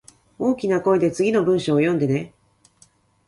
大きな声で次の文章を読んでね